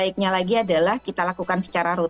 baiknya lagi adalah kita lakukan penyelenggaraan